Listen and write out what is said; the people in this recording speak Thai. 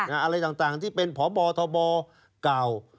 อะไรต่างที่เป็นพบทบเก่า